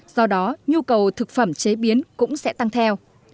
do đó nhu cầu thực phẩm chế biến cũng sẽ tăng theo